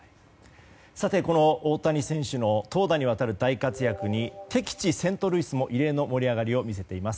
さて、大谷選手の投打にわたる大活躍に敵地セントルイスも異例の盛り上がりを見せています。